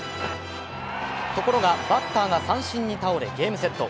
ところがバッターが三振に倒れゲームセット。